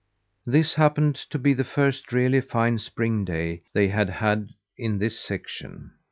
This happened to be the first really fine spring day they had had in this section.